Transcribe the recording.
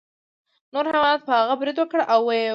نورو حیواناتو په هغه برید وکړ او ویې واهه.